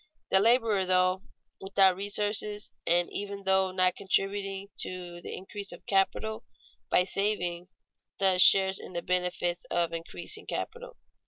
The laborer, though without resources and even though not contributing to the increase of capital by saving, thus shares in the benefit of increasing capital.